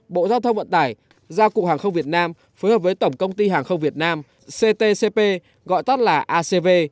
bộ giao thông vận tải giao cục hàng không việt nam phối hợp với tổng công ty hàng không việt nam ctcp gọi tắt là acv